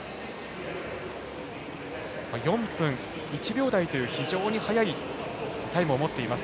４分１秒台という非常に早いタイムを持っています。